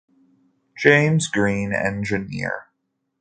James Green Engineer.